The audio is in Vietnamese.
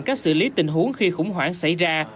cách xử lý tình huống khi khủng hoảng xảy ra